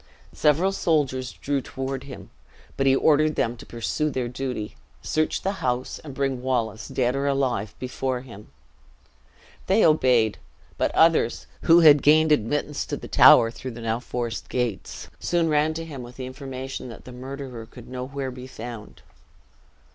Several soldiers drew toward him; but he ordered them to pursue their duty, search the house, and bring Wallace, dead or alive, before him. They obeyed; but others, who had gained admittance to the tower through the now forced gates, soon ran to him with information that the murderer could nowhere be found.